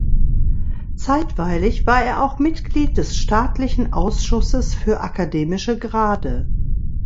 Zeitweilig war er auch Mitglied des Staatlichen Ausschusses für akademische Grade.